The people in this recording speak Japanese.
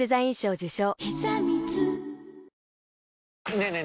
ねえねえ